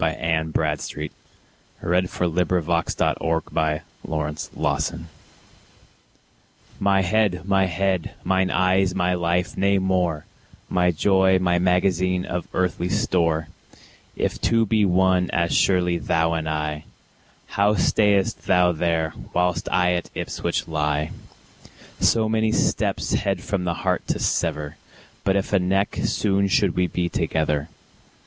W X . Y Z A Letter to Her Husband Absent upon Public Employment MY head, my heart, mine eyes, my life, nay more, My joy, my magazine, of earthly store, If two be one, as surely thou and I, How stayest thou there, whilst I at Ipswich lie? So many steps, head from the heart to sever, If but a neck, soon should we be together.